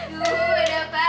tuh udah pas